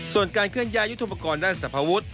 ส่วนการเคลื่อนย้ายยุทธปกรณ์ด้านสรรพวุฒิ